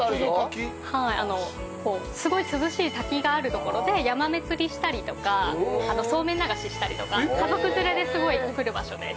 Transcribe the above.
すごい涼しい滝がある所でヤマメ釣りしたりとかそうめん流ししたりとか家族連れですごい来る場所です。